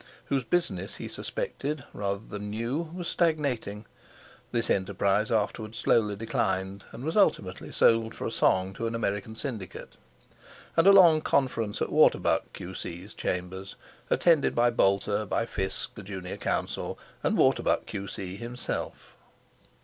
whose business he suspected, rather than knew, was stagnating (this enterprise afterwards slowly declined, and was ultimately sold for a song to an American syndicate); and a long conference at Waterbuck, Q.C.'s chambers, attended by Boulter, by Fiske, the junior counsel, and Waterbuck, Q.C., himself.